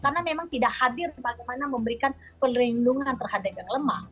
karena memang tidak hadir bagaimana memberikan perlindungan terhadap yang lemah